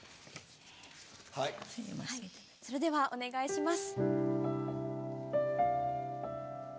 それではお願いします。